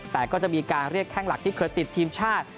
แต่ก็จะมีการเรียกแข้งหลักที่เคยติดทีมชาติ